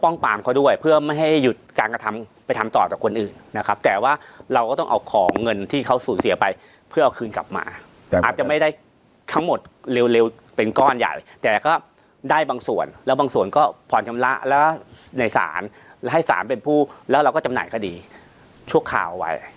ปามเขาด้วยเพื่อไม่ให้หยุดการกระทำไปทำต่อกับคนอื่นนะครับแต่ว่าเราก็ต้องเอาของเงินที่เขาสูญเสียไปเพื่อเอาคืนกลับมาอาจจะไม่ได้ทั้งหมดเร็วเป็นก้อนใหญ่แต่ก็ได้บางส่วนแล้วบางส่วนก็ผ่อนชำระแล้วในศาลและให้สารเป็นผู้แล้วเราก็จำหน่ายคดีชั่วคราวไว้